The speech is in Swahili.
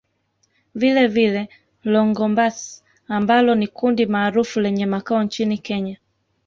Vilevile Longombas ambalo ni kundi maarufu lenye makao nchini Kenya